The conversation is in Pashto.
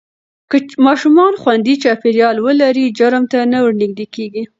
که ماشومان خوندي چاپېریال ولري، جرم ته نه ورنږدې کېږي.